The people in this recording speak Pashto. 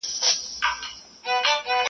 خدای مکړه چي زه ور سره کړې وعده ماته کړم-